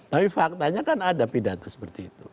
tapi faktanya kan ada pidato seperti itu